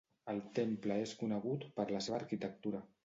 El temple és conegut per la seva arquitectura.